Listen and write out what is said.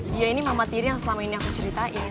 dia ini mama tiri yang selama ini aku ceritain